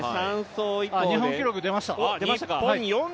日本記録出ました。